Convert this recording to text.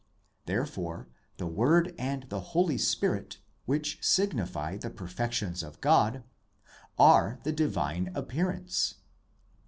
Therefore the Word and the Holy Spirit, which signify the perfections of God, are the divine appearance.